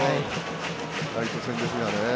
ライト線ですよね。